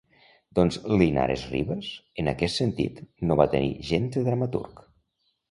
Doncs Linares Rivas, en aquest sentit, no va tenir gens de dramaturg.